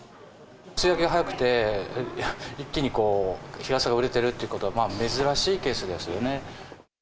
梅雨明けが早くて、一気にこう、日傘が売れているということは、まあ、珍しいケースですよね。